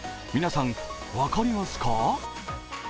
皆さん、分かりますか？